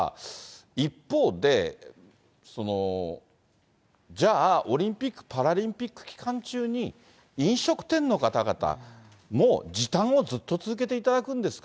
一方で、じゃあ、オリンピック・パラリンピック期間中に、飲食店の方々、もう時短をずっと続けていただくんですか？